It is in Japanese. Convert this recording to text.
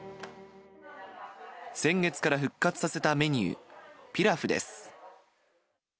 先月から復活させたメニュー、ピラフです。